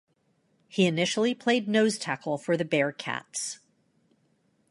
He initially played nose tackle for the Bearcats.